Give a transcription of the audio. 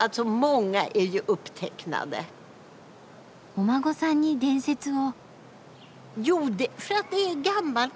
お孫さんに伝説を。